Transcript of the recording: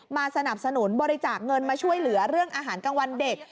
สนับสนุนบริจาคเงินมาช่วยเหลือเรื่องอาหารกลางวันเด็ก